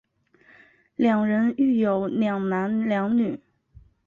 两人育有两男两女。